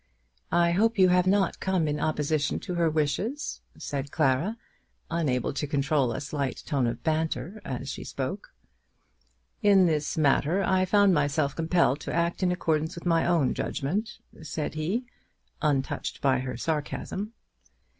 "I hope you have not come in opposition to her wishes," said Clara, unable to control a slight tone of banter as she spoke. "In this matter I found myself compelled to act in accordance with my own judgment," said he, untouched by her sarcasm.